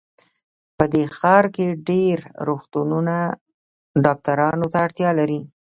په دې ښار کې ډېر روغتونونه ډاکټرانو ته اړتیا لري